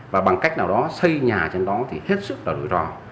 và bằng cách nào đó xây nhà trên đó thì hết sức là đối rò